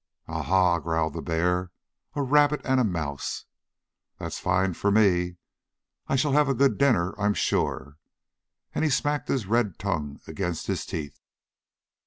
"Ah, ha!" growled the bear. "A rabbit and a mouse! That's fine for me! I shall have a good dinner, I'm sure!" and he smacked his red tongue against his teeth.